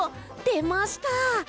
出ました！